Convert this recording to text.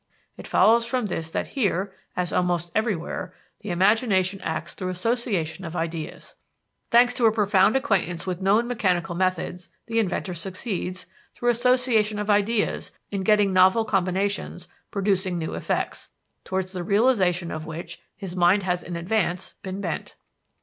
It follows from this that here, as almost everywhere, the imagination acts through association of ideas. "Thanks to a profound acquaintance with known mechanical methods, the inventor succeeds, through association of ideas, in getting novel combinations producing new effects, towards the realization of which his mind has in advance been bent."